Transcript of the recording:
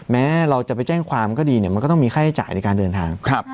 แม้เราจะไปแจ้งความก็ดีเนี่ยมันก็ต้องมีค่าใช้จ่ายในการเดินทาง